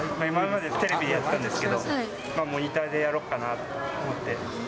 今までテレビでやってたんですけど、モニターでやろうかなと思って。